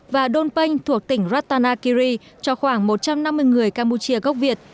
và đôn panh thuộc tỉnh ratanakiri cho khoảng một trăm năm mươi người campuchia gốc việt